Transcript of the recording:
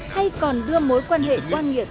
hay còn đưa mối quan hệ quan nghiệp